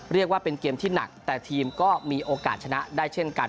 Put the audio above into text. เรียกว่าเป็นเกมที่หนักแต่ทีมก็มีโอกาสชนะได้เช่นกัน